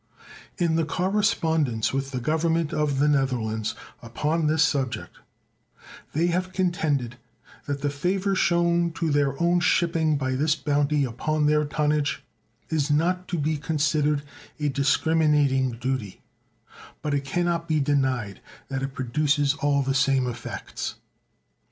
In the correspondence with the Government of the Netherlands upon this subject they have contended that the favor shown to their own shipping by this bounty upon their tonnage is not to be considered a discriminating duty; but it can not be denied that it produces all the same effects.